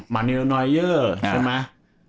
มันนิลน้อยเยอะใช่ไหม